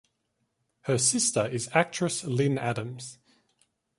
Her sister is actress Lynne Adams.